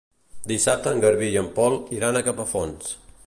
Dissabte en Garbí i en Pol iran a Capafonts.